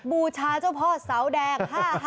บูชาเจ้าพ่อเสาแดง๕๕